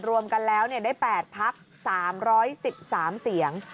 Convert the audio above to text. รวมกันแล้วได้๘พัก๓๑๓เสียง